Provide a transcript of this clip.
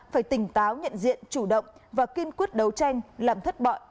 phải tỉnh táo nhận diện chủ động và kiên quyết đấu tranh làm thất bại